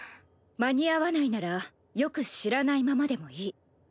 間に合わないならよく知らないままでもいい。